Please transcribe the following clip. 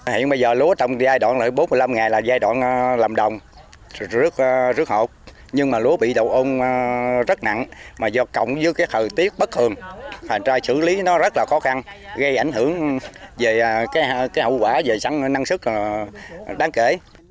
hiện bây giờ lúa trong giai đoạn bốn mươi năm ngày là giai đoạn làm đồng rất hột nhưng mà lúa bị đạo ôn rất nặng mà do cộng với thời tiết bất thường hành trai xử lý nó rất là khó khăn gây ảnh hưởng về hậu quả về sẵn năng sức đáng kể